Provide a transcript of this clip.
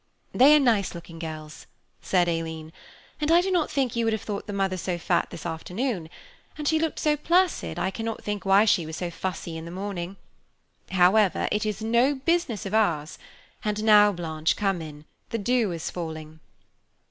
"They are nice looking girls," said Aileen, "and I do not think you would have thought the mother so fat this afternoon; and she looked so placid, I cannot think why she was so fussy in the morning; however, it is no business of ours, and now, Blanche, come in, the dew is falling."